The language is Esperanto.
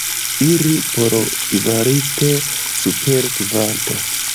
Iri por kvalito super kvanto.